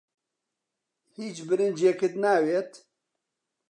هیچ برنجێکت ناوێت؟